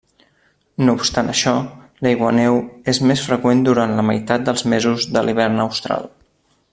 No obstant això, l'aiguaneu és més freqüent durant la meitat dels mesos de l'hivern austral.